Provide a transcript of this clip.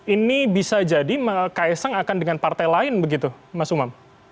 ini bisa jadi kaisang akan dengan partai lain begitu mas umam